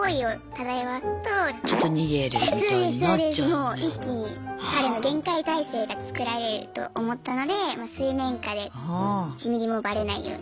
もう一気に彼の厳戒態勢がつくられると思ったので水面下で１ミリもバレないように。